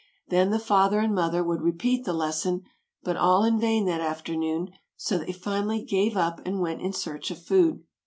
Then the father and mother would repeat the lesson, but all in vain that afternoon, so they finally gave up and went in search of food.